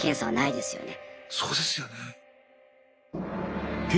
そうですね